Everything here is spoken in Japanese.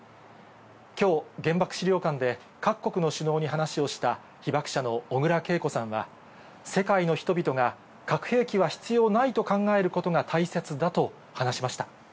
きょう、原爆資料館で各国の首脳に話をした、被爆者の小倉桂子さんは、世界の人々が核兵器は必要ないと考えることが大切だと話しました。